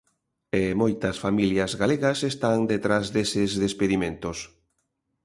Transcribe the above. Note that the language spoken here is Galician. E moitas familias galegas están detrás deses despedimentos.